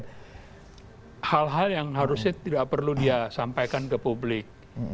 jadi memang ada hal hal yang harusnya tidak perlu dia sampaikan ke publik